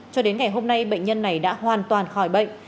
cho đến ngày hôm nay bệnh nhân này đã hoàn toàn khỏi bệnh